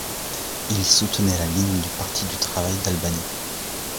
Il soutenait la ligne du Parti du travail d'Albanie.